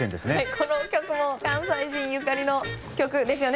この曲も関西人ゆかりの曲ですよね